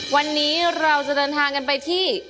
วันนี้เราจะเดินทางกันไปที่